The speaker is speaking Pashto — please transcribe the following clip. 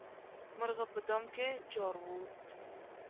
مرغه په دام کې جارووت.